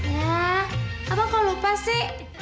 ya abang kok lupa sih